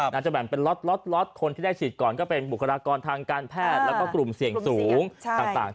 จะแบ่งเป็นล็อตคนที่ได้ฉีดก่อนก็เป็นบุคลากรทางการแพทย์แล้วก็กลุ่มเสี่ยงสูงต่าง